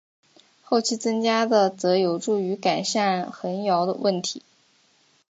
后期增加的则有助于改善横摇问题。